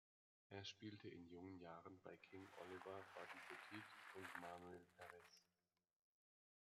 Er spielte in jungen Jahren bei King Oliver, Buddy Petit und Manuel Perez.